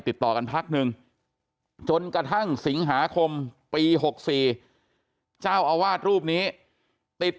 ติดต่อกันพักนึงจนกระทั่งสิงหาคมปี๖๔เจ้าอาวาสรูปนี้ติด